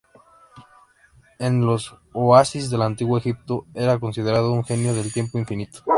En los oasis del Antiguo Egipto era considerado un genio del tiempo infinito.